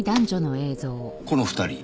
この２人。